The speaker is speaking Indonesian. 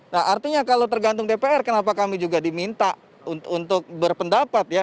nah artinya kalau tergantung dpr kenapa kami juga diminta untuk berpendapat ya